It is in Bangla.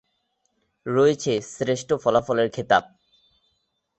রয়েছে শ্রেষ্ঠ ফলাফলের খেতাব।